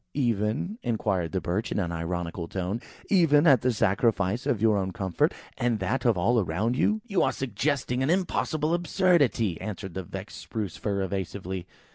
"Even," inquired the Birch, in an ironical tone; "even at the sacrifice of your own comfort, and that of all around you?" "You are suggesting an impossible absurdity," answered the vexed Spruce fir, evasively.